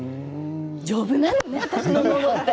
丈夫なのね、私ののど。